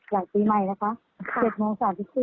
หลังปีใหม่นะคะ๗โมง๓๔